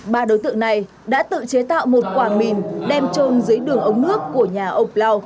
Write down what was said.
ba đối tượng này đã tự chế tạo một quả mìn đem trôn dưới đường ống nước của nhà oplau